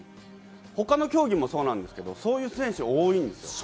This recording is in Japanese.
他の競技もそうなんですが、そういう選手多いんですよ。